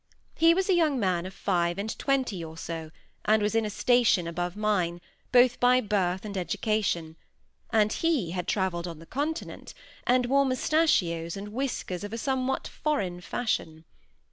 He was a young man of five and twenty or so, and was in a station above mine, both by birth and education; and he had travelled on the Continent, and wore mustachios and whiskers of a somewhat foreign fashion.